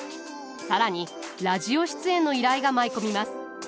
更にラジオ出演の依頼が舞い込みます。